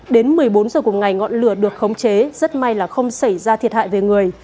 đến một mươi bốn h cùng ngày ngọn lửa được khống chế rất may là không xảy ra thiệt hại về người